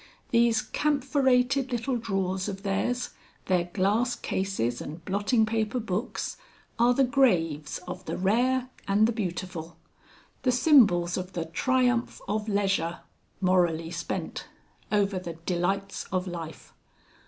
These camphorated little drawers of theirs, their glass cases and blotting paper books, are the graves of the Rare and the Beautiful, the symbols of the Triumph of Leisure (morally spent) over the Delights of Life.